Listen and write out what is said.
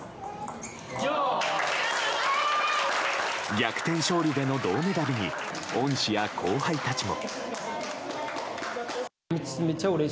逆転勝利での銅メダルに恩師や後輩たちも。